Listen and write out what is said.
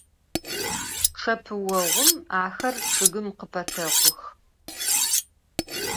Ççepıoğum axer ççıgım khıpetekhux.